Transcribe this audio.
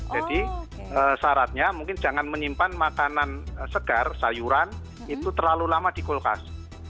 jadi syaratnya mungkin jangan menyimpan makanan segar sayuran itu terlalu lama di kolokas